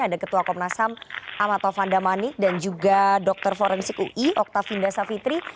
ada ketua komnas ham amatovanda manik dan juga dr forensik ui oktavinda savitri